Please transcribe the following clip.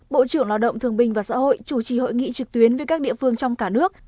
bộ trưởng lao động thương bình và xã hội chủ trì hội nghị trực tuyến với các địa phương trong cả nước